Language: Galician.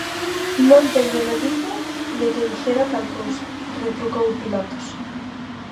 Non teño noticia de que dixera tal cousa −retrucou Pilatos.